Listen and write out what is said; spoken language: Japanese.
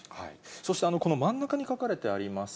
そしてこの真ん中に書かれてあります